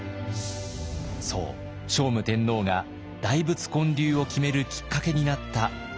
そう聖武天皇が大仏建立を決めるきっかけになった「智識」です。